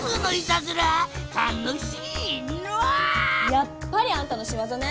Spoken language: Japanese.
やっぱりあんたのしわざね！